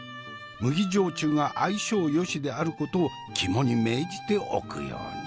麦焼酎が相性よしであることを肝に銘じておくように。